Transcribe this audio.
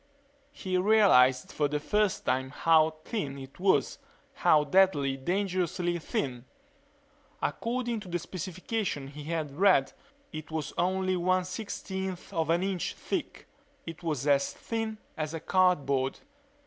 He realized for the first time how thin it was how deadly, dangerously thin. According to the specifications he had read it was only one sixteenth of an inch thick. It was as thin as cardboard.